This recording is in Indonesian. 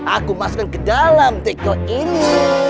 aku masukkan ke dalam tiko ini